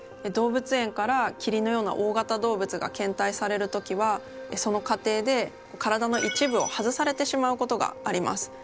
動物園からキリンのような大型動物が献体される時はその過程で体の一部を外されてしまうことがあります。